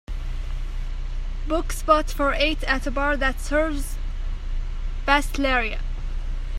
book spot for eight at a bar that serves pastelaria